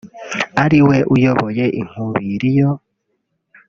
ari we uyoboye inkubiri yo